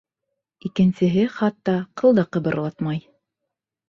Икенсеһе хатта ҡыл да ҡыбырлатмай